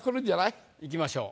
いきましょう。